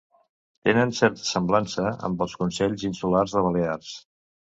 Tenen certa semblança amb els Consells Insulars de Balears.